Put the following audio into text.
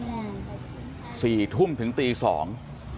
อื้อออออสี่ทุ่มถึงตีสอง